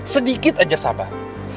sedikit aja sabar